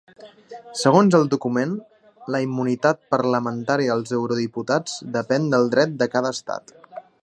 Segons el document, la immunitat parlamentària dels eurodiputats depèn del dret de cada estat.